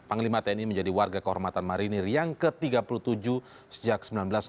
panglima tni menjadi warga kehormatan marinir yang ke tiga puluh tujuh sejak seribu sembilan ratus enam puluh